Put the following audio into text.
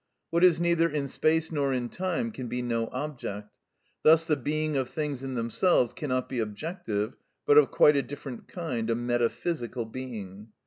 What is neither in space nor in time can be no object; thus the being of things in themselves cannot be objective, but of quite a different kind, a metaphysical being.